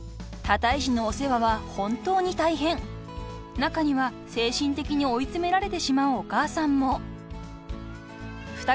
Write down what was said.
中には精神的に追い詰められてしまうお母さんも］